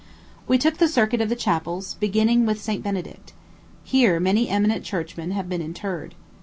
We took the circuit of the chapels, beginning with St. Benedict. Here many eminent churchmen have been interred.